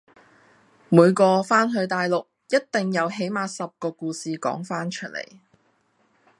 每個番去大陸一定有起碼十個故事講番出嚟